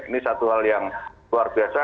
ini satu hal yang luar biasa